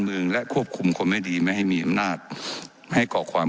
เมืองและควบคุมคนไม่ดีไม่ให้มีอำนาจให้ก่อความ